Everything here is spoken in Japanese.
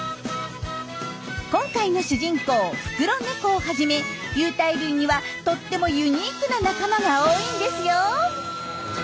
今回の主人公フクロネコをはじめ有袋類にはとってもユニークな仲間が多いんですよ。